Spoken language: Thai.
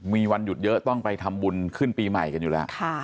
มีวันหยุดเยอะต้องไปทำบุญขึ้นปีใหม่กันอยู่แล้ว